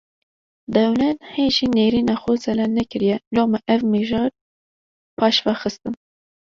Dewlet hê jî nêrîna xwe zelal nekiriye, loma ev mijar paşve xistin